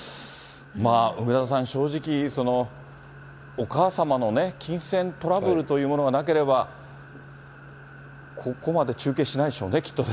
まあ、梅沢さん、正直お母様のね、金銭トラブルというものがなければ、ここまで中継しないでしょうね、きっとね。